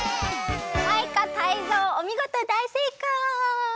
マイカタイゾウおみごとだいせいかい！